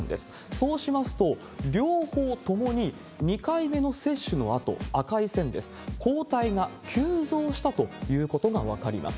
そうしますと、両方ともに２回目の接種のあと、赤い線です、抗体が急増したということが分かります。